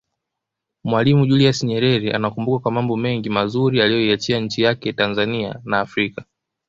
Mwalimu Julius Nyerere anakumbukwa kwa mambo mengi mazuri aliyoiachia nchi yake Tanzania na Afrika